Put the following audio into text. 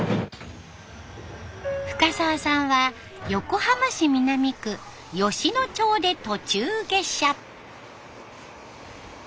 深沢さんは横浜市南区吉野町で途中下車。